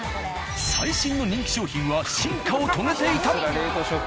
最新の人気商品は進化を遂げていた。